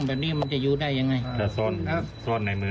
แบบนี้มันจะยูได้ยังไงจะส้นส้นในมืออ่าลองเสียบเข้าไปในแหวนดูอ่ะ